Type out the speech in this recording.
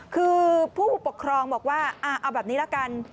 คือผู้ปกครองบอกว่าเอาแบบนี้ละกัน